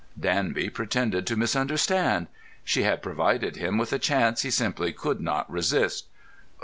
Danby pretended to misunderstand. She had provided him with a chance he simply could not resist.